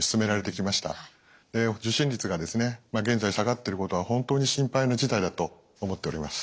受診率が現在下がっていることは本当に心配な事態だと思っております。